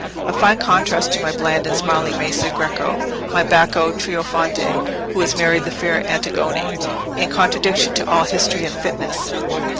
A fine contrast to my bland and smiling Messer Greco—my Bacco trionfante, who has married the fair Antigone in contradiction to all history and fitness.